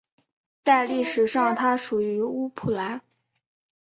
在历史上它属于乌普兰。